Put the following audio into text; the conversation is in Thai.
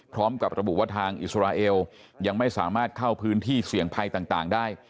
พร้อมกับระบุว่าทางอิสราเอลยังไม่สามารถเข้าพื้นที่เสี่ยงภัยต่างได้